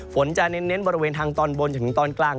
ฝนจะเน้นบริเวณทางตอนบนจนถึงตอนกลาง